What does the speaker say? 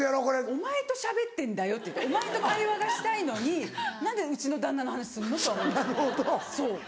お前としゃべってんだよってお前と会話がしたいのに何でうちの旦那の話すんの？とは思います。